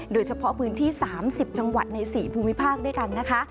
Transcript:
โดยเฉพาะพื้นที่๓๐จังหวัดใน๔ภูมิภาคด้วยกันนะคะ